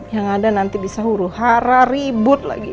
yang ada nanti bisa huru hara ribut lagi